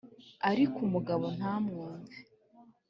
ariko umugabo ntamwumve.